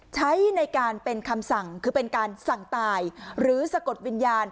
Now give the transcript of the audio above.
ใช้ในการเป็นคำสั่งคือเป็นการสั่งตายหรือสะกดวิญญาณ